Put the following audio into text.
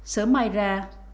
sớm mai ra